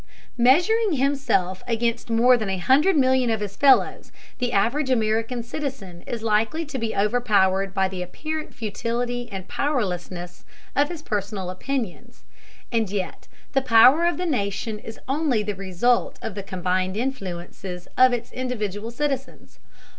Measuring himself against more than a hundred million of his fellows, the average American citizen is likely to be overpowered by the apparent futility and powerlessness of his personal opinions. And yet the power of the nation is only the result of the combined influences of its individual citizens.